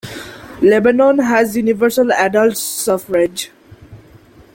Lebanon has universal adult suffrage.